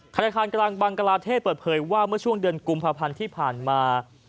ธนาคารกลางบังกลาเทศเปิดเผยว่าเมื่อช่วงเดือนกุมภาพันธ์ที่ผ่านมา